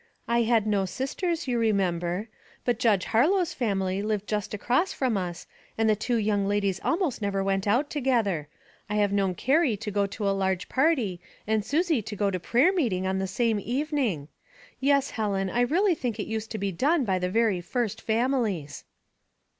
"I had no sisters, you remember. But Judge Harlowe's family lived just across from us, and the two young ladies almost never went out to gether. I have known Carrie to go to a large party and Susie to go to prayer meeting on the same evening. Yes, Helen, I really think it used to be done by the very first families.